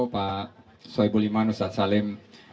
pak soebuliman usasalim